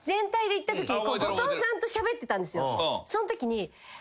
そのときに。